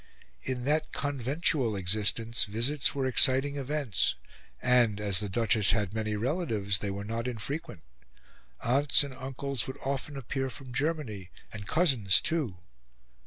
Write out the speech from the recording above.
In that conventual existence visits were exciting events; and, as the Duchess had many relatives, they were not infrequent; aunts and uncles would often appear from Germany, and cousins too.